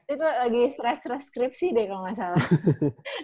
itu lagi stress stress skripsi deh kalo gak salah